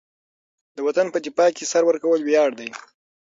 د وطن په دفاع کې سر ورکول ویاړ دی.